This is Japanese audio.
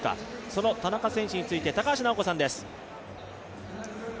その田中選手について高橋尚子さんです。